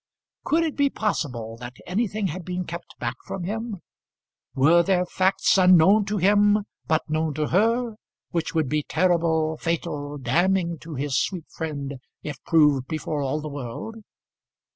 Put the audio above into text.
Could it be possible that anything had been kept back from him? Were there facts unknown to him, but known to her, which would be terrible, fatal, damning to his sweet friend if proved before all the world?